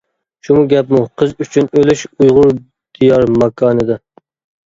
شۇمۇ گەپمۇ قىز ئۈچۈن ئۆلۈش ئۇيغۇر دىيار ماكانىدا.